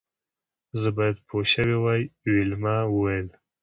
زه باید پوه شوې وای ویلما وویل